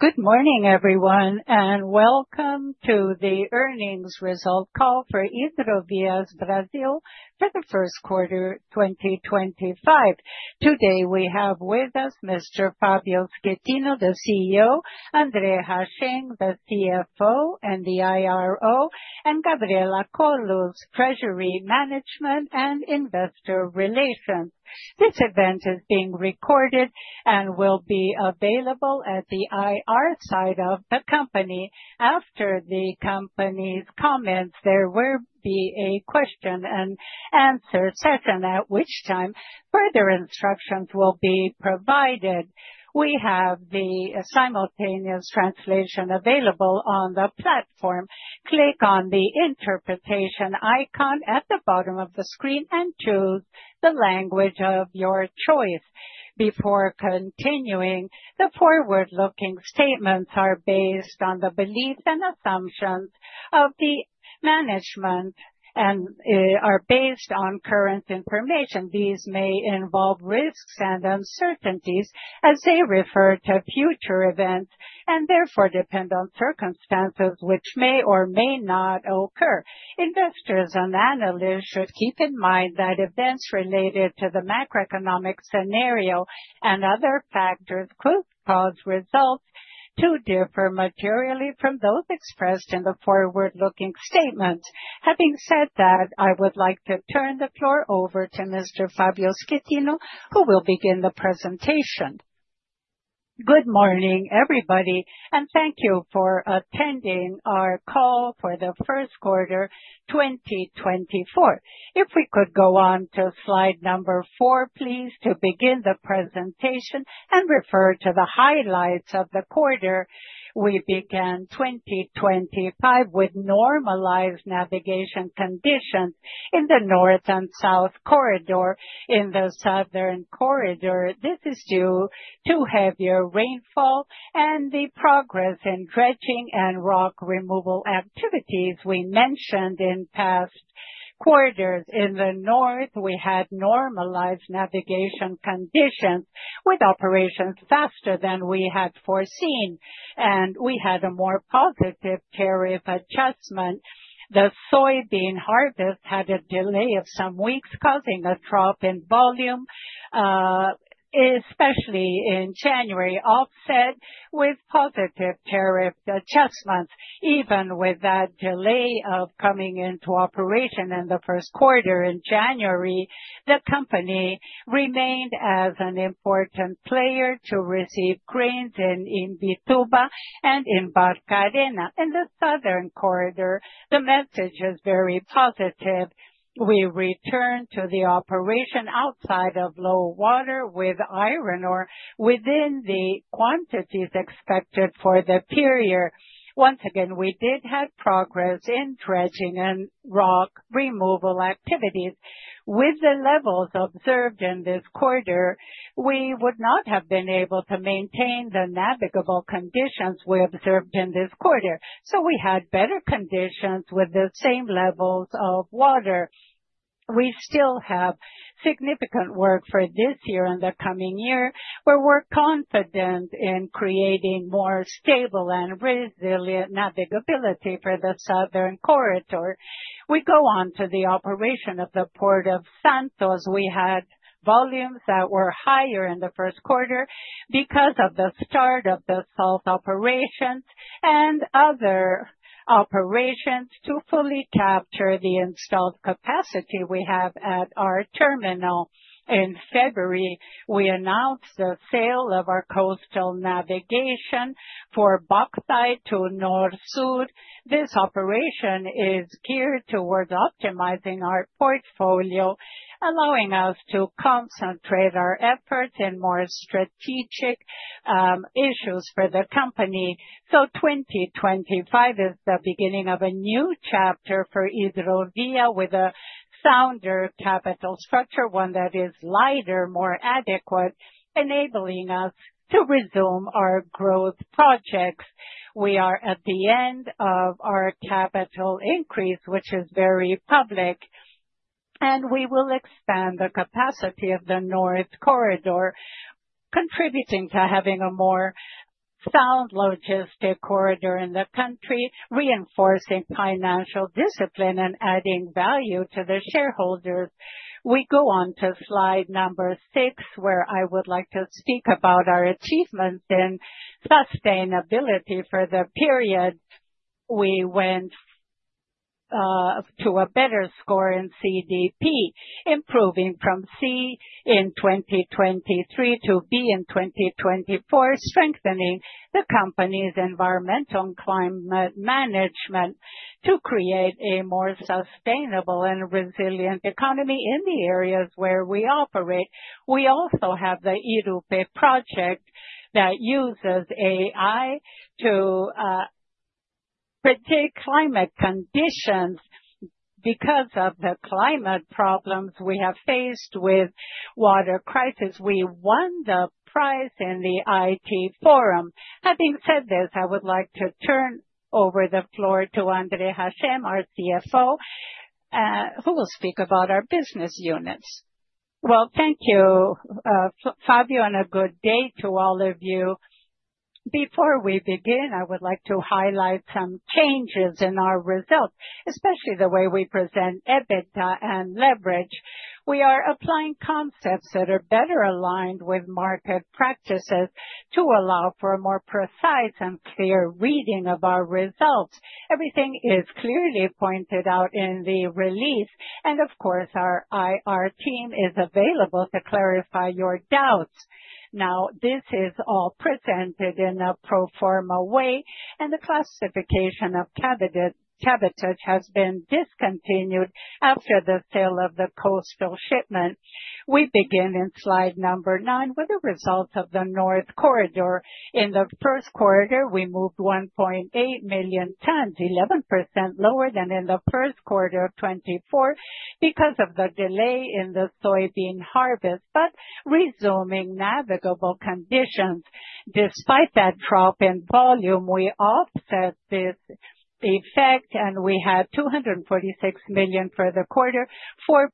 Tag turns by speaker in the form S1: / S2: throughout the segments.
S1: Good morning, everyone, and welcome to Earnings Result Call for Hidrovias do Brasil for the First Quarter 2025. Today we have with us Mr. Fabio Schettino, the CEO; André Hachem, the CFO and the IRO; and Gabriela Colus, Treasury Management and Investor Relations. This event is being recorded and will be available at the IR side of the company. After the company's comments, there will be a question and answer session, at which time further instructions will be provided. We have the simultaneous translation available on the platform. Click on the interpretation icon at the bottom of the screen and choose the language of your choice. Before continuing, the forward-looking statements are based on the beliefs and assumptions of the management and are based on current information. These may involve risks and uncertainties, as they refer to future events and therefore depend on circumstances which may or may not occur. Investors and analysts should keep in mind that events related to the macroeconomic scenario and other factors could cause results to differ materially from those expressed in the forward-looking statements. Having said that, I would like to turn the floor over to Mr. Fabio Schettino, who will begin the presentation.
S2: Good morning, everybody, and thank you for attending our call for the first quarter 2025. If we could go on to slide number four, please, to begin the presentation and refer to the highlights of the quarter. We began 2024 with normalized navigation conditions in the North and South Corridors. In the Southern Corridor, this is due to heavier rainfall and the progress in dredging and rock removal activities we mentioned in past quarters. In the north, we had normalized navigation conditions with operations faster than we had foreseen, and we had a more positive tariff adjustment. The soybean harvest had a delay of some weeks, causing a drop in volume, especially in January, offset with positive tariff adjustments. Even with that delay of coming into operation in the first quarter in January, the company remained as an important player to receive grains in Imbituba and in Barcarena. In the Southern Corridor, the message is very positive. We returned to the operation outside of low water with iron ore within the quantities expected for the period. Once again, we did have progress in dredging and rock removal activities. With the levels observed in this quarter, we would not have been able to maintain the navigable conditions we observed in this quarter, so we had better conditions with the same levels of water. We still have significant work for this year and the coming year. We're confident in creating more stable and resilient navigability for the Southern Corridor. We go on to the operation of the Port of Santos. We had volumes that were higher in the first quarter because of the start of the salt operations and other operations to fully capture the installed capacity we have at our terminal. In February, we announced the sale of our coastal navigation for bauxite to Norsul. This operation is geared towards optimizing our portfolio, allowing us to concentrate our efforts in more strategic issues for the company. 2025 is the beginning of a new Hidrovias, with a sounder capital structure, one that is lighter, more adequate, enabling us to resume our growth projects. We are at the end of our capital increase, which is very public, and we will expand the capacity of the North Corridor, contributing to having a more sound logistic corridor in the country, reinforcing financial discipline and adding value to the shareholders. We go on to slide number six, where I would like to speak about our achievements in sustainability for the period. We went to a better score in CDP, improving from C in 2023 to B in 2024, strengthening the company's environmental and climate management to create a more sustainable and resilient economy in the areas where we operate. We also have the Irupê project that uses AI to predict climate conditions. Because of the climate problems we have faced with the water crisis, we won the prize in the IT Forum. Having said this, I would like to turn over the floor to André Hachem, our CFO, who will speak about our business units.
S3: Thank you, Fabio, and a good day to all of you. Before we begin, I would like to highlight some changes in our results, especially the way we present EBITDA and leverage. We are applying concepts that are better aligned with market practices to allow for a more precise and clear reading of our results. Everything is clearly pointed out in the release, and of course, our IR team is available to clarify your doubts. Now, this is all presented in a pro forma way, and the classification of cabotage has been discontinued after the sale of the coastal shipping. We begin in slide number nine with the results of the North Corridor. In the first quarter, we moved 1.8 million tons, 11% lower than in the first quarter of 2024, because of the delay in the soybean harvest, but resuming navigable conditions. Despite that drop in volume, we offset this effect, and we had 246 million for the quarter, 4%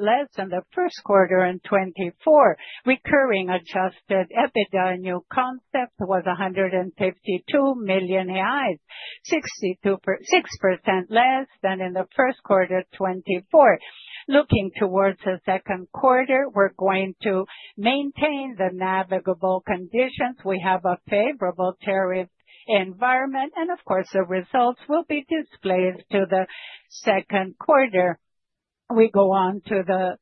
S3: less than the first quarter in 2024. Recurring adjusted EBITDA new concept was 152 million reais, 6% less than in the first quarter of 2024. Looking towards the second quarter, we're going to maintain the navigable conditions. We have a favorable tariff environment, and of course, the results will be displayed to the second quarter. We go on to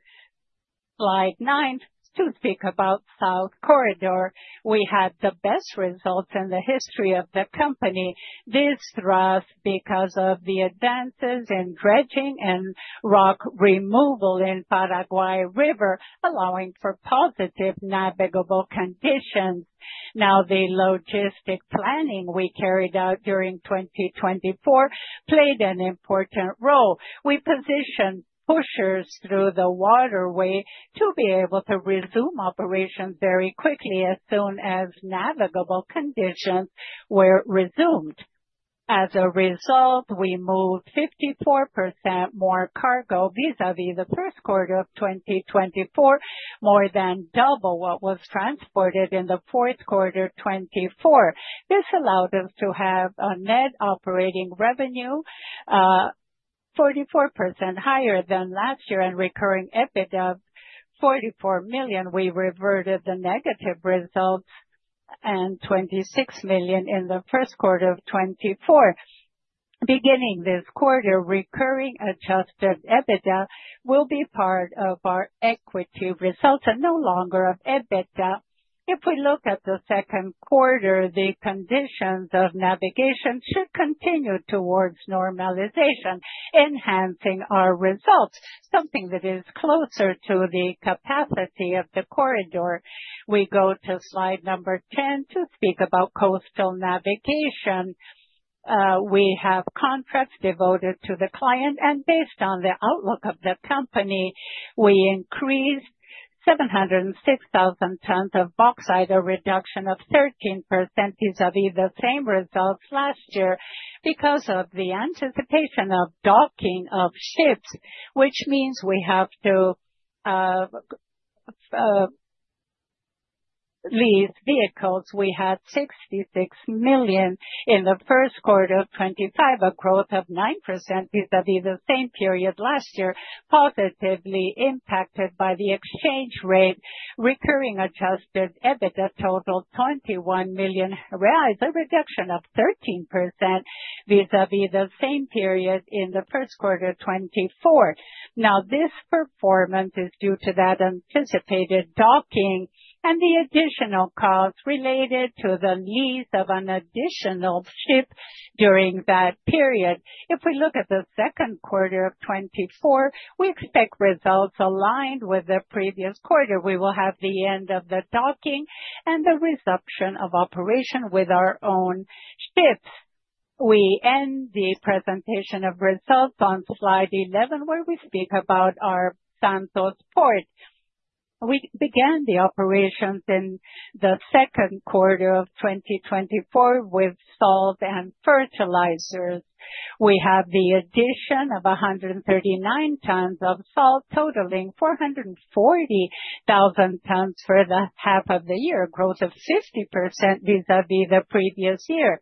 S3: slide nine to speak about the South Corridor. We had the best results in the history of the company. This draws because of the advances in dredging and rock removal in Paraguay River, allowing for positive navigable conditions. Now, the logistic planning we carried out during 2024 played an important role. We positioned pushers through the waterway to be able to resume operations very quickly as soon as navigable conditions were resumed. As a result, we moved 54% more cargo vis-à-vis the first quarter of 2024, more than double what was transported in the fourth quarter of 2024. This allowed us to have a net operating revenue 44% higher than last year and recurring EBITDA of 44 million. We reverted the negative results and 26 million in the first quarter of 2024. Beginning this quarter, recurring adjusted EBITDA will be part of our equity results and no longer of EBITDA. If we look at the second quarter, the conditions of navigation should continue towards normalization, enhancing our results, something that is closer to the capacity of the corridor. We go to slide number 10 to speak about coastal navigation. We have contracts devoted to the client, and based on the outlook of the company, we increased 706,000 tons of bauxite, a reduction of 13% vis-à-vis the same results last year because of the anticipation of docking of ships, which means we have to lease vehicles. We had 66 million in the first quarter of 2025, a growth of 9% vis-à-vis the same period last year, positively impacted by the exchange rate. Recurring adjusted EBITDA totaled 21 million, a reduction of 13% vis-à-vis the same period in the first quarter of 2024. Now, this performance is due to that anticipated docking and the additional costs related to the lease of an additional ship during that period. If we look at the second quarter of 2024, we expect results aligned with the previous quarter. We will have the end of the docking and the resumption of operation with our own ships. We end the presentation of results on slide 11, where we speak about our Santos Port. We began the operations in the second quarter of 2024 with salt and fertilizers. We have the addition of 139,000 tons of salt, totaling 440,000 tons for the half of the year, a growth of 50% vis-à-vis the previous year.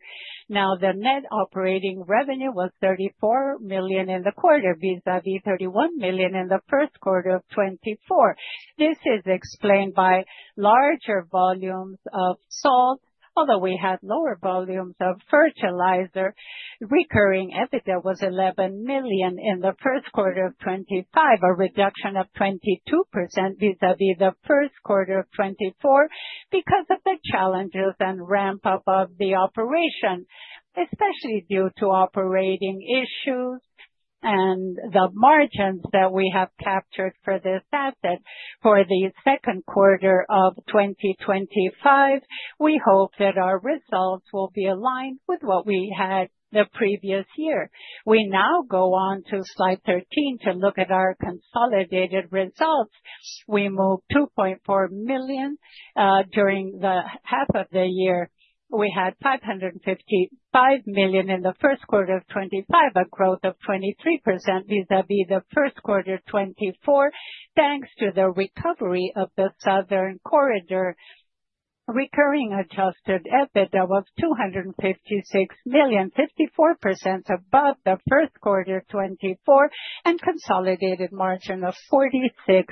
S3: Now, the net operating revenue was 34 million in the quarter vis-à-vis 31 million in the first quarter of 2024. This is explained by larger volumes of salt, although we had lower volumes of fertilizer. Recurring EBITDA was 11 million in the first quarter of 2025, a reduction of 22% vis-à-vis the first quarter of 2024 because of the challenges and ramp-up of the operation, especially due to operating issues and the margins that we have captured for this asset. For the second quarter of 2025, we hope that our results will be aligned with what we had the previous year. We now go on to slide 13 to look at our consolidated results. We moved 2.4 million during the half of the year. We had 555 million in the first quarter of 2025, a growth of 23% vis-à-vis the first quarter of 2024, thanks to the recovery of the Southern Corridor. Recurring adjusted EBITDA was 256 million, 54% above the first quarter of 2024, and consolidated margin of 46%.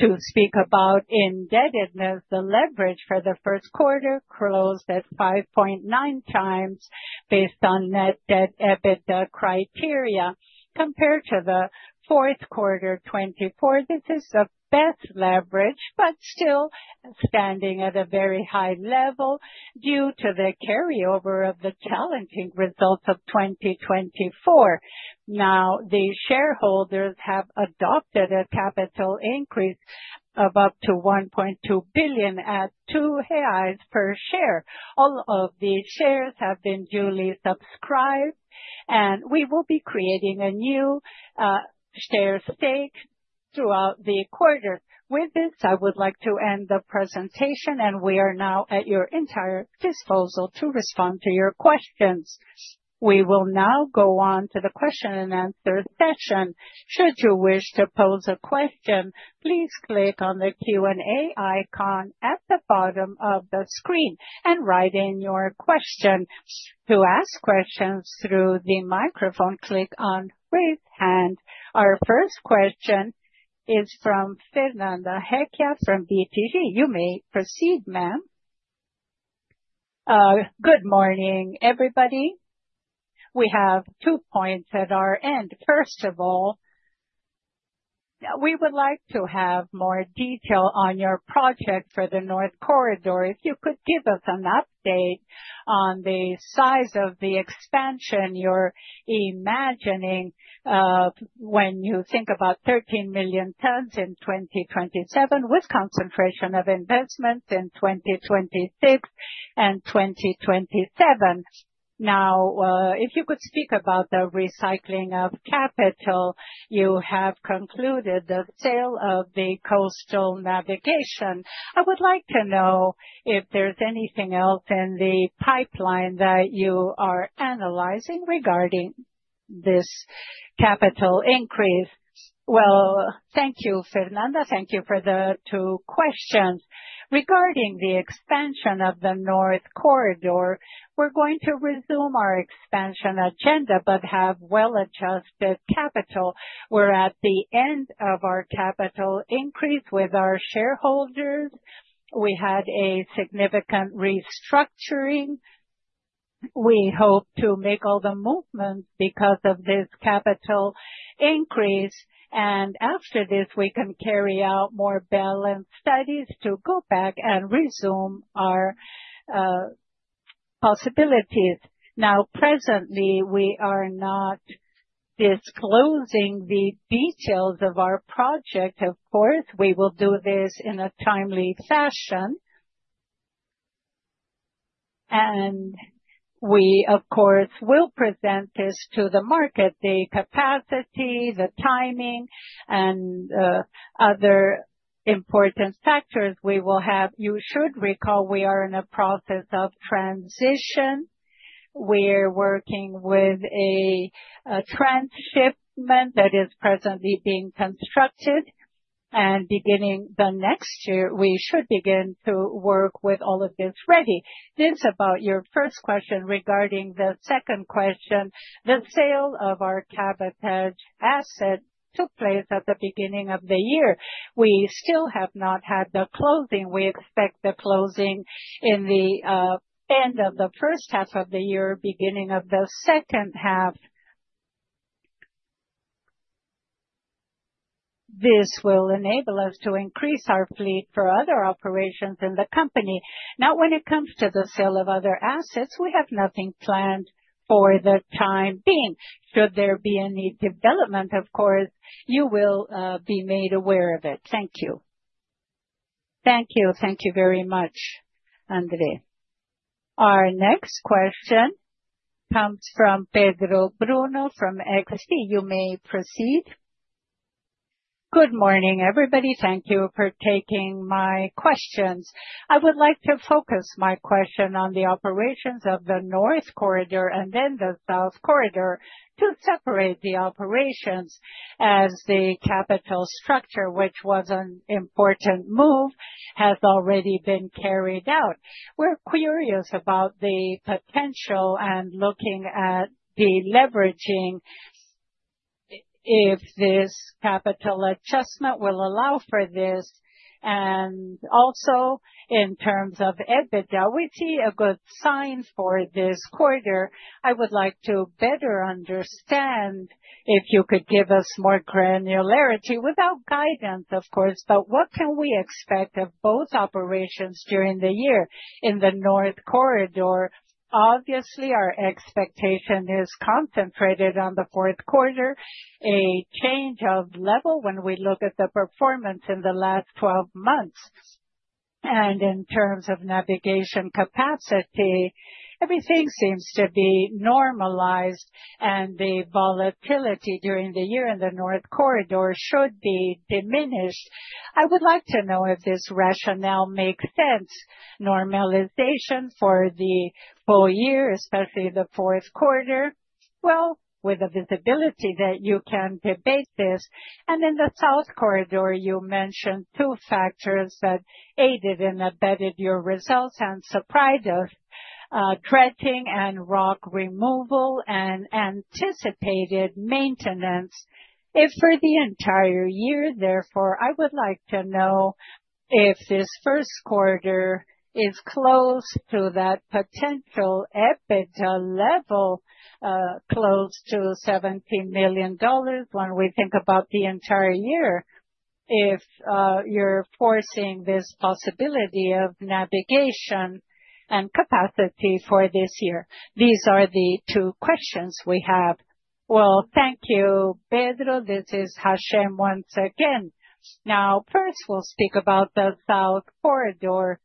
S3: To speak about indebtedness, the leverage for the first quarter closed at 5.9 times based on net debt EBITDA criteria. Compared to the fourth quarter of 2024, this is the best leverage, but still standing at a very high level due to the carryover of the challenging results of 2024. Now, the shareholders have adopted a capital increase of up to 1.2 billion at 2 reais per share. All of these shares have been duly subscribed, and we will be creating a new share stake throughout the quarter. With this, I would like to end the presentation, and we are now at your entire disposal to respond to your questions.
S1: We will now go on to the question and answer session. Should you wish to pose a question, please click on the Q&A icon at the bottom of the screen and write in your question. To ask questions through the microphone, click on raise hand. Our first question is from Fernanda Recchia from BTG. You may proceed, ma'am.
S4: Good morning, everybody. We have two points at our end. First of all, we would like to have more detail on your project for the North Corridor. If you could give us an update on the size of the expansion you're imagining when you think about 13 million tons in 2027, with concentration of investments in 2026 and 2027. Now, if you could speak about the recycling of capital, you have concluded the sale of the coastal navigation. I would like to know if there's anything else in the pipeline that you are analyzing regarding this capital increase.
S3: Thank you, Fernanda. Thank you for the two questions. Regarding the expansion of the North Corridor, we're going to resume our expansion agenda but have well-adjusted capital. We're at the end of our capital increase with our shareholders. We had a significant restructuring. We hope to make all the movements because of this capital increase. After this, we can carry out more balanced studies to go back and resume our possibilities. Now, presently, we are not disclosing the details of our project. Of course, we will do this in a timely fashion. We, of course, will present this to the market. The capacity, the timing, and other important factors we will have. You should recall we are in a process of transition. We're working with a transshipment that is presently being constructed. Beginning the next year, we should begin to work with all of this ready. This is about your first question. Regarding the second question, the sale of our cabotage asset took place at the beginning of the year. We still have not had the closing. We expect the closing in the end of the first half of the year, beginning of the second half. This will enable us to increase our fleet for other operations in the company. Now, when it comes to the sale of other assets, we have nothing planned for the time being. Should there be any development, of course, you will be made aware of it. Thank you.
S4: Thank you. Thank you very much, André.
S1: Our next question comes from Pedro Bruno from XP. You may proceed.
S5: Good morning, everybody. Thank you for taking my questions. I would like to focus my question on the operations of the North Corridor and then the South Corridor to separate the operations as the capital structure, which was an important move, has already been carried out. We're curious about the potential and looking at the leveraging if this capital adjustment will allow for this. Also, in terms of EBITDA, we see a good sign for this quarter. I would like to better understand if you could give us more granularity without guidance, of course, but what can we expect of both operations during the year in the North Corridor? Obviously, our expectation is concentrated on the fourth quarter, a change of level when we look at the performance in the last 12 months. In terms of navigation capacity, everything seems to be normalized, and the volatility during the year in the North Corridor should be diminished. I would like to know if this rationale makes sense, normalization for the full year, especially the fourth quarter. With the visibility that you can debate this. In the South Corridor, you mentioned two factors that aided and abetted your results and surprised us: dredging and rock removal and anticipated maintenance. If for the entire year, therefore, I would like to know if this first quarter is close to that potential EBITDA level, close to $17 million when we think about the entire year, if you are forcing this possibility of navigation and capacity for this year. These are the two questions we have.
S3: Thank you, Pedro. This is Hachem once again. First, we will speak about the South Corridor.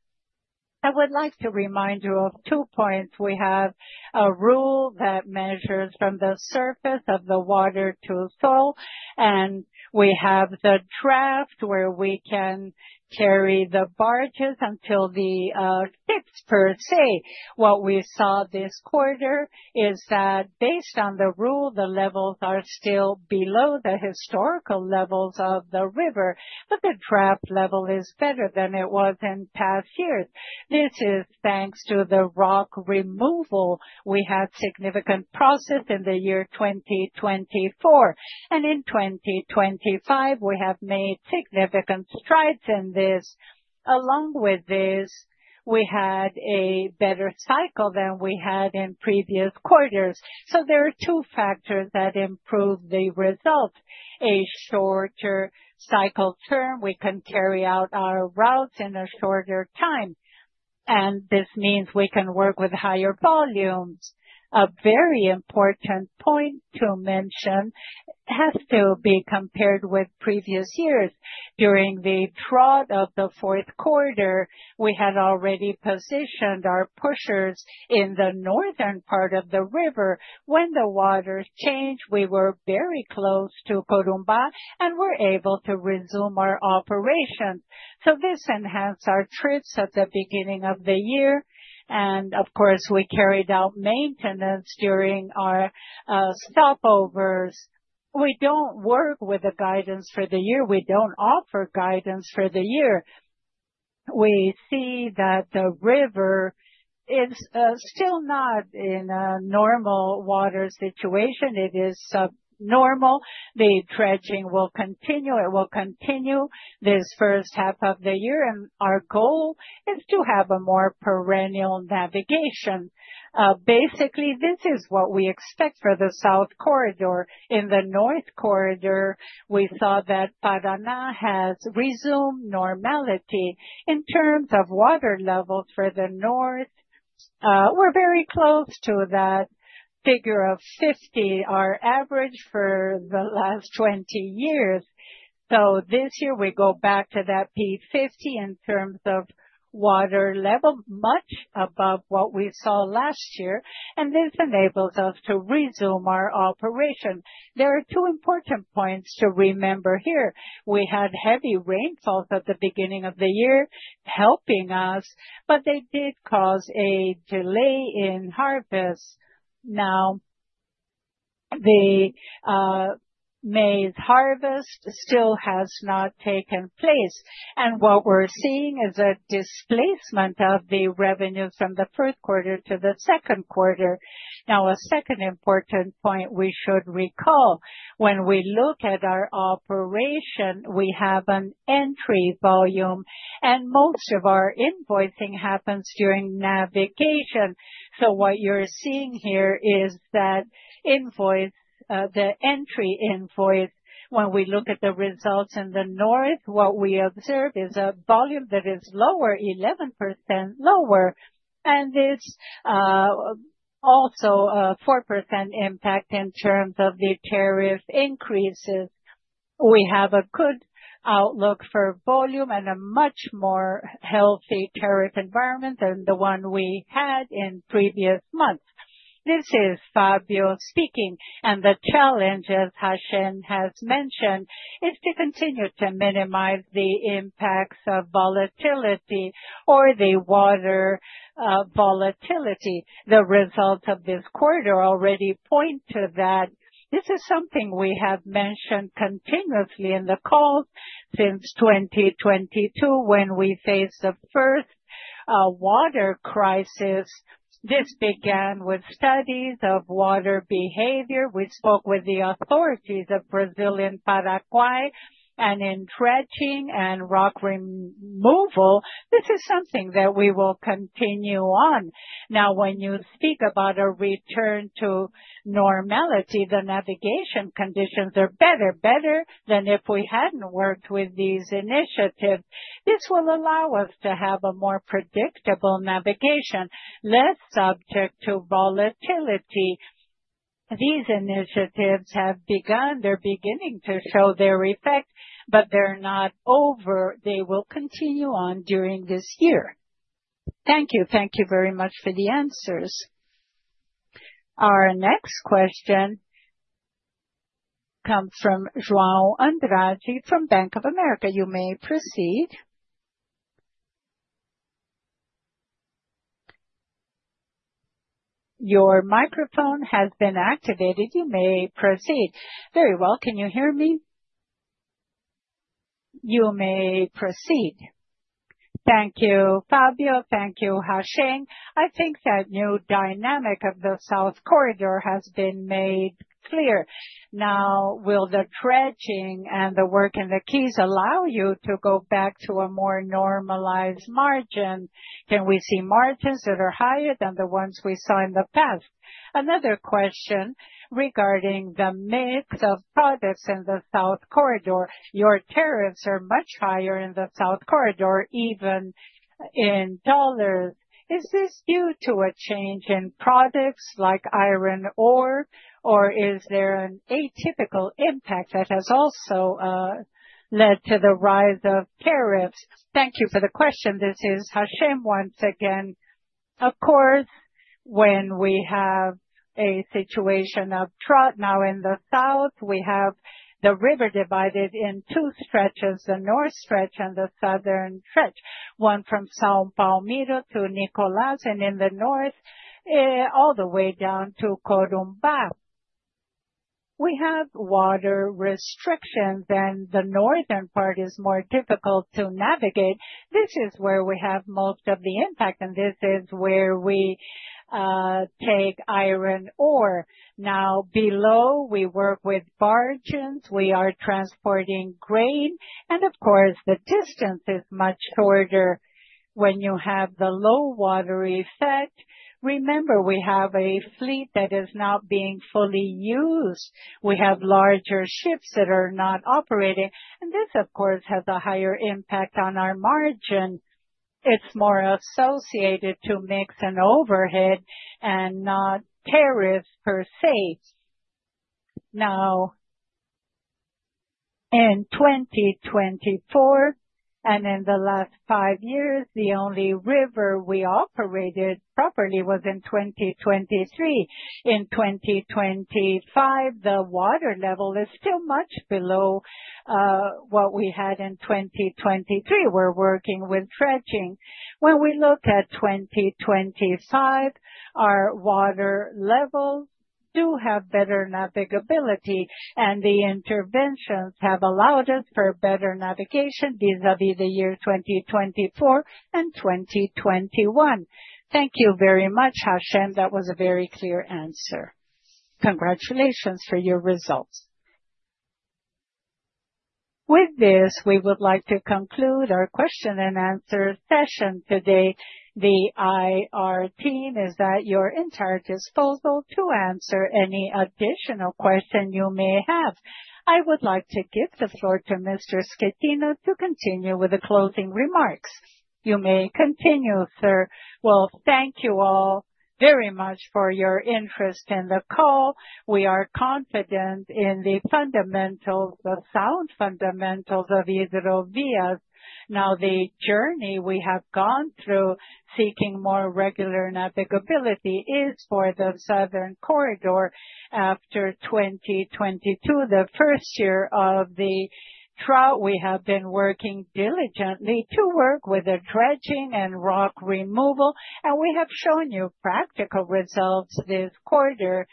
S3: I would like to remind you of two points. We have a rule that measures from the surface of the water to soil, and we have the draft where we can carry the barges until the ship per se. What we saw this quarter is that based on the rule, the levels are still below the historical levels of the river, but the draft level is better than it was in past years. This is thanks to the rock removal. We had significant process in the year 2024, and in 2025, we have made significant strides in this. Along with this, we had a better cycle than we had in previous quarters. There are two factors that improve the result. A shorter cycle term, we can carry out our routes in a shorter time, and this means we can work with higher volumes. A very important point to mention has to be compared with previous years. During the drought of the fourth quarter, we had already positioned our pushers in the northern part of the river. When the waters changed, we were very close to Corumbá, and we were able to resume our operations. This enhanced our trips at the beginning of the year, and of course, we carried out maintenance during our stopovers. We do not work with the guidance for the year. We do not offer guidance for the year. We see that the river is still not in a normal water situation. It is subnormal. The dredging will continue. It will continue this first half of the year, and our goal is to have a more perennial navigation. Basically, this is what we expect for the South Corridor. In the North Corridor, we saw that Paraná has resumed normality in terms of water levels for the north. We are very close to that figure of 50, our average for the last 20 years. This year, we go back to that P-50 in terms of water level, much above what we saw last year, and this enables us to resume our operation. There are two important points to remember here. We had heavy rainfalls at the beginning of the year, helping us, but they did cause a delay in harvest. Now, the May's harvest still has not taken place, and what we're seeing is a displacement of the revenues from the first quarter to the second quarter. A second important point we should recall, when we look at our operation, we have an entry volume, and most of our invoicing happens during navigation. What you're seeing here is that invoice, the entry invoice, when we look at the results in the north, what we observe is a volume that is lower, 11% lower, and there's also a 4% impact in terms of the tariff increases. We have a good outlook for volume and a much more healthy tariff environment than the one we had in previous months.
S2: This is Fabio speaking, and the challenge, as Hachem has mentioned, is to continue to minimize the impacts of volatility or the water volatility. The results of this quarter already point to that. This is something we have mentioned continuously in the calls since 2022 when we faced the first water crisis. This began with studies of water behavior. We spoke with the authorities of Brazil and Paraguay and in dredging and rock removal. This is something that we will continue on. Now, when you speak about a return to normality, the navigation conditions are better, better than if we had not worked with these initiatives. This will allow us to have a more predictable navigation, less subject to volatility. These initiatives have begun. They are beginning to show their effect, but they are not over. They will continue on during this year.
S5: Thank you. Thank you very much for the answers.
S1: Our next question comes from João Andrade from Bank of America. You may proceed. Your microphone has been activated. You may proceed.
S6: Very well. Can you hear me?
S1: You may proceed.
S6: Thank you, Fabio. Thank you, Hachem. I think that new dynamic of the South Corridor has been made clear. Now, will the dredging and the work in the quays allow you to go back to a more normalized margin? Can we see margins that are higher than the ones we saw in the past? Another question regarding the mix of products in the South Corridor. Your tariffs are much higher in the South Corridor, even in dollars. Is this due to a change in products like iron ore, or is there an atypical impact that has also led to the rise of tariffs?
S3: Thank you for the question. This is Hachem once again. Of course, when we have a situation of drought now in the south, we have the river divided in two stretches, the north stretch and the southern stretch, one from Asunción to Nova Palmira, San Nicolas, and in the north all the way down to Corumbá. We have water restrictions, and the northern part is more difficult to navigate. This is where we have most of the impact, and this is where we take iron ore. Now, below, we work with barges. We are transporting grain, and of course, the distance is much shorter when you have the low water effect. Remember, we have a fleet that is not being fully used. We have larger ships that are not operating, and this, of course, has a higher impact on our margin. It's more associated to mix and overhead and not tariffs per se. Now, in 2024 and in the last five years, the only river we operated properly was in 2023. In 2025, the water level is still much below what we had in 2023. We're working with dredging. When we look at 2025, our water levels do have better navigability, and the interventions have allowed us for better navigation vis-à-vis the year 2024 and 2021.
S6: Thank you very much, Hachem. That was a very clear answer. Congratulations for your results.
S1: With this, we would like to conclude our question and answer session today. The IR team is at your entire disposal to answer any additional question you may have. I would like to give the floor to Mr. Schettino to continue with the closing remarks. You may continue, sir.
S2: Thank you all very much for your interest in the call. We are confident in the fundamentals, the sound fundamentals of Hidrovias. Now, the journey we have gone through seeking more regular navigability is for the Southern Corridor after 2022, the first year of the drought. We have been working diligently to work with the dredging and rock removal, and we have shown you practical results this quarter.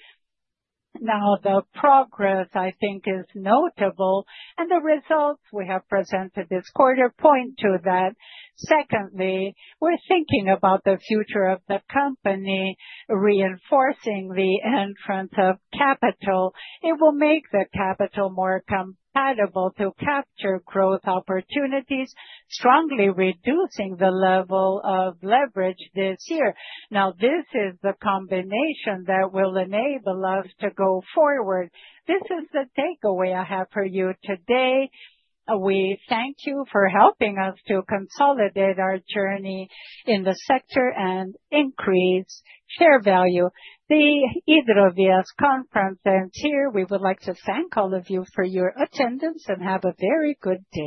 S2: The progress, I think, is notable, and the results we have presented this quarter point to that. Secondly, we're thinking about the future of the company, reinforcing the entrance of capital. It will make the capital more compatible to capture growth opportunities, strongly reducing the level of leverage this year. Now, this is the combination that will enable us to go forward. This is the takeaway I have for you today. We thank you for helping us to consolidate our journey in the sector and increase share value.
S1: The Hidrovias conference ends here. We would like to thank all of you for your attendance and have a very good day.